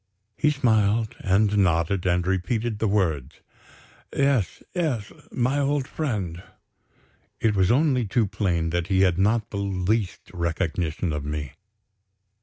He smiled, and nodded, and repeated the words: "Yes, yes, my old friend." It was only too plain that he had not the least recollection of me.